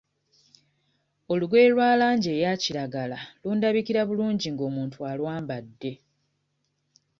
Olugoye olwa langi eya kiragala lundabikira bulungi ng'omuntu alwambadde.